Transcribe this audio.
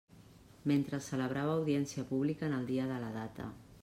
Mentre celebrava audiència pública en el dia de la data.